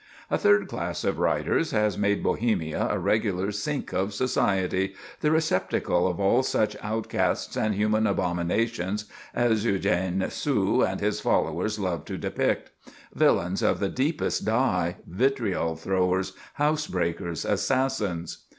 A third class of writers has made Bohemia a regular sink of society, the receptacle of all such outcasts and human abominations as Eugène Sue and his followers loved to depict; villains of the deepest dye—vitriol throwers, house breakers, assassins.